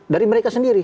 dari mereka sendiri